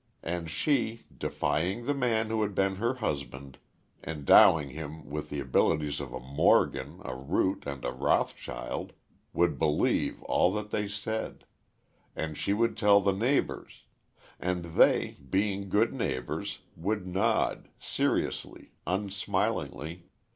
And she, deifying the man who had been her husband, endowing him with the abilities of a Morgan, a Root and a Rothschild, would believe all that they said; and she would tell the neighbors; and they, being good neighbors, would nod, seriously, unsmilingly.